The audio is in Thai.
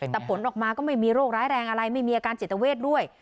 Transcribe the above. แต่ผลออกมาก็ไม่มีโรคร้ายแรงอะไรไม่มีอาการจิตเวทด้วย